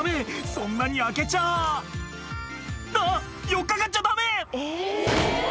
そんなに開けちゃあっ寄っ掛かっちゃダメ！